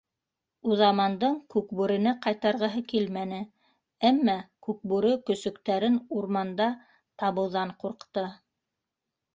Уҙамандың Күкбүрене ҡайтарғыһы килмәне, әммә Күкбүре көсөктәрен урманда табыуҙан ҡурҡты...